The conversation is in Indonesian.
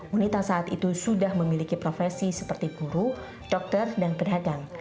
wanita saat itu sudah memiliki profesi seperti guru dokter dan pedagang